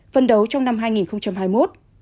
phân đấu trong năm hai nghìn hai mươi một